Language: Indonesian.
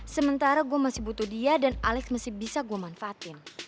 sementara gue masih butuh dia dan alex masih bisa gue manfaatin